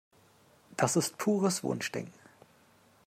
Das ist pures Wunschdenken.